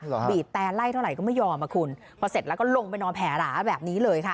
บีบแต่ไล่เท่าไหร่ก็ไม่ยอมอ่ะคุณพอเสร็จแล้วก็ลงไปนอนแผลหลาแบบนี้เลยค่ะ